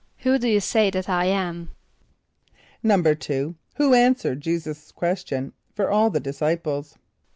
="Who do you say that I am?"= =2.= Who answered J[=e]´[s+]us' question for all the disciples?